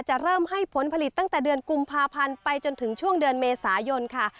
จะเริ่มให้ผลผลิตตั้งแต่เดือนกุมภาพันธ์ไปจนถึงช่วงเดือนเมษายนค่ะ